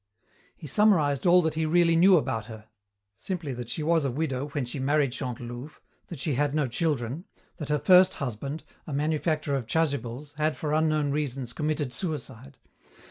He summarized all that he really knew about her: simply that she was a widow when she married Chantelouve, that she had no children, that her first husband, a manufacturer of chasubles, had, for unknown reasons, committed suicide.